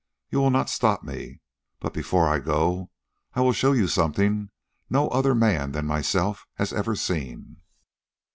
You will not stop me. But before I go I will show you something no other man than myself has ever seen."